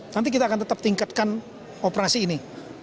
nanti kita akan tetap tingkatkan operasi ini